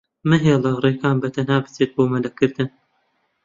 مەهێڵە ڕێکان بەتەنها بچێت بۆ مەلەکردن.